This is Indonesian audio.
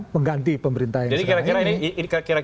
pengganti pemerintah yang sekarang ini jadi kira kira ini